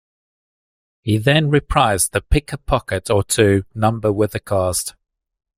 He then reprised the "Pick a Pocket or Two" number with the cast.